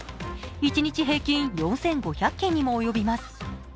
一日平均４５００件にも及びます。